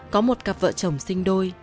có một cặp vợ chồng sinh đôi